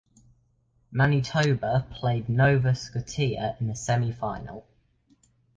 Manitoba played Nova Scotia in the semifinal.